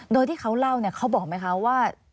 โดยที่เขาเล่า